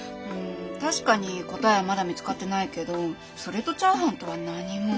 確かに答えはまだ見つかってないけどそれとチャーハンとは何も。